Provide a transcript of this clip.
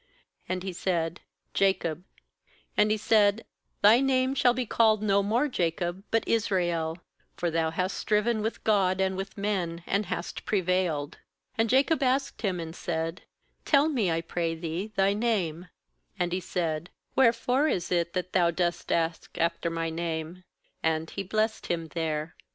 And he said: 'Jacob/ 29And he said: 'Thy name shall be called no more Jacob, but alsrael; for thou hast striven with God and with men, and hast prevailed/ 30And Jacob asked him, and said: ' Tell me, I pray thee, thy name/ And he said: 'Wherefore is it that thou' dost ask after my name?' And he blessed him there.